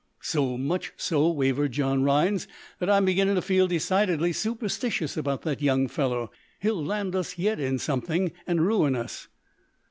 "So much so," wavered John Rhinds, "that I'm beginning to feel decidedly superstitious about that young fellow. He'll land us, yet, in something, and ruin us."